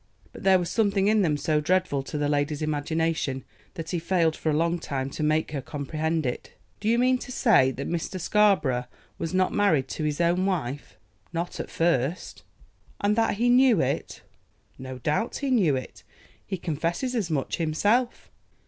But there was something in them so dreadful to the lady's imagination that he failed for a long time to make her comprehend it. "Do you mean to say that Mr. Scarborough was not married to his own wife?" "Not at first." "And that he knew it?" "No doubt he knew it. He confesses as much himself."